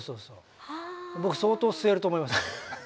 僕相当吸えると思いますから。